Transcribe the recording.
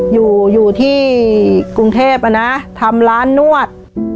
อยู่ที่กรุงเทพฯทำร้านนวด